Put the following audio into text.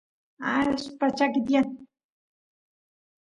allpa chakiy tiyan